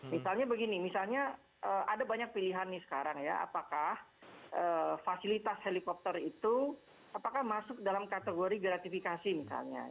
misalnya begini misalnya ada banyak pilihan nih sekarang ya apakah fasilitas helikopter itu apakah masuk dalam kategori gratifikasi misalnya